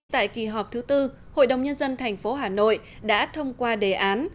tại kỳ họp thứ tư hội đồng nhân dân thành phố hà nội đã thông qua đề án